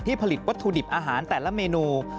ผลิตวัตถุดิบอาหารแต่ละเมนู